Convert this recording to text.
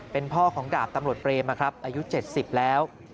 เป็นพ่อของดาบตำรวจเปรมนะครับอายุ๗๐แล้ว